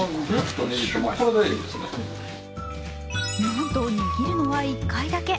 なんと握るのは１回だけ。